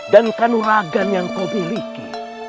dan kanuragan yang kau miliki